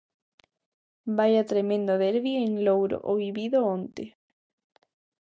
Vaia tremendo derbi en Louro o vivido onte.